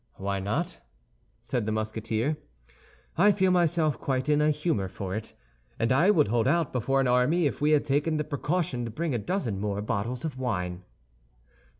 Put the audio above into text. "Why not?" said the Musketeer. "I feel myself quite in a humor for it; and I would hold out before an army if we had taken the precaution to bring a dozen more bottles of wine."